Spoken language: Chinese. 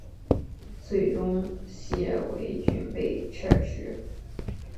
最终谢维俊被撤职。